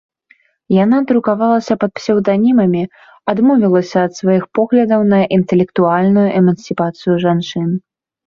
Яна друкавалася пад псеўданімамі, адмовілася ад сваіх поглядаў на інтэлектуальную эмансіпацыю жанчын.